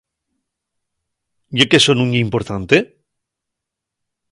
¿Ye qu'eso nun ye importante?